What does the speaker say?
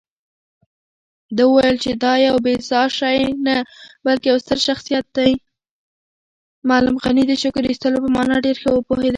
معلم غني د شکر ایستلو په مانا ډېر ښه پوهېده.